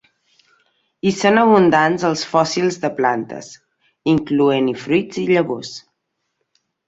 Hi són abundants els fòssils de plantes, incloent-hi fruits i llavors.